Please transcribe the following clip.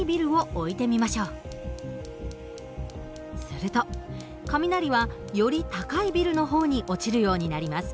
すると雷はより高いビルの方に落ちるようになります。